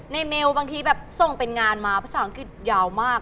เมลบางทีแบบส่งเป็นงานมาภาษาอังกฤษยาวมาก